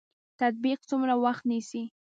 تطبیق څومره وخت نیسي؟